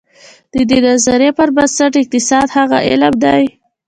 د دې نظریې پر بنسټ اقتصاد هغه علم دی.